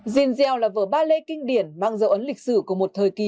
jean gell là vở ballet kinh điển mang dấu ấn lịch sử của một thời kỳ